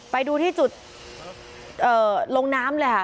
ไปดูที่จุดลงน้ำเลยค่ะ